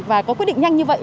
và có quyết định nhanh như vậy